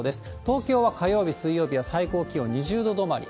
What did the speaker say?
東京は火曜日、水曜日は最高気温２０度止まり。